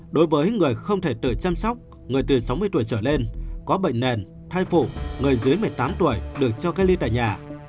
đối với người không thể tự chăm sóc người từ sáu mươi tuổi trở lên có bệnh nền thai phụ người dưới một mươi tám tuổi được cho cách ly tại nhà